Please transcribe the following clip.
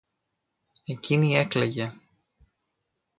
Εκείνη έκλαιγε.